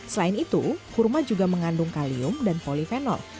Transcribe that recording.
selain itu kurma juga mengandung kalium dan polifenol